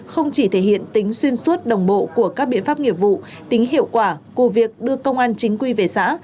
không chỉ thể hiện tính xuyên suốt đồng bộ của các biện pháp nghiệp vụ tính hiệu quả của việc đưa công an chính quy về xã